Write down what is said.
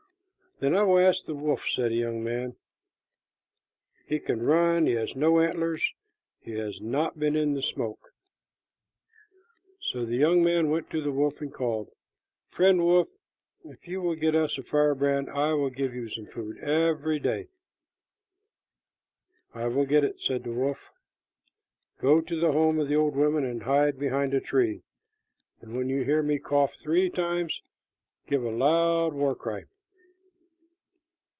"Then I will ask the wolf," said the young man. "He can run, he has no antlers, and he has not been in the smoke." So the young man went to the wolf and called, "Friend wolf, if you will get us a firebrand, I will give you some food every day." "I will get it," said the wolf. "Go to the home of the old women and hide behind a tree; and when you hear me cough three times, give a loud war cry."